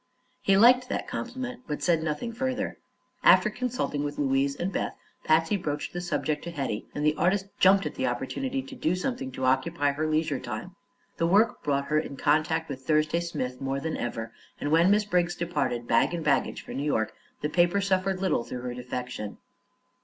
He liked that compliment, but said nothing further. After consulting with Louise and Beth, Patsy broached the subject to Hetty, and the artist jumped at the opportunity to do something to occupy her leisure time. The work brought her in contact with Thursday Smith more than ever, and when Miss Briggs departed bag and baggage for New York, the paper suffered little through her defection.